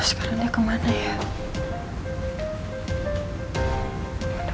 sekarang dia kemana ya